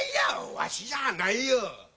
わしじゃないよ。